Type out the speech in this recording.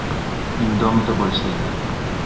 Indomito Bolsena.